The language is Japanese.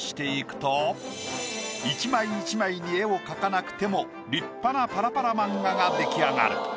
一枚一枚に絵を描かなくても立派なパラパラ漫画が出来上がる。